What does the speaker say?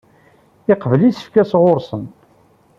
Yeqbel isefka sɣur-sen.